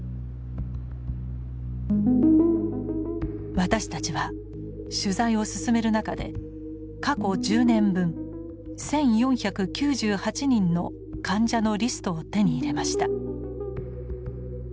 私たちは取材を進める中で過去１０年分１，４９８人の患者のリストを手に入れました。